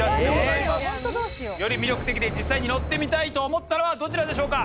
より魅力的で実際に乗ってみたいと思ったのはどちらでしょうか？